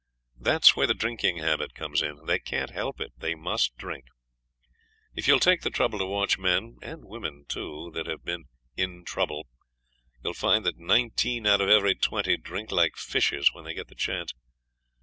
That's where the drinking habit comes in they can't help it they must drink. If you'll take the trouble to watch men (and women too) that have been 'in trouble' you'll find that nineteen out of every twenty drink like fishes when they get the chance.